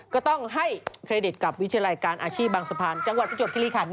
ก็ต้องให้เครดิตกับวิทยาลัยการอาชีพบางสะพานจังหวัดประจวบคิริขัน